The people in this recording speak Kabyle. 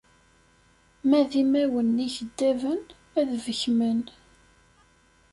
Ma d imawen n ikeddaben ad bekkmen.